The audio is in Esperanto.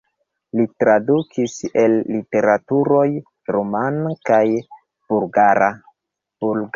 Li tradukis el literaturoj rumana kaj bulgara.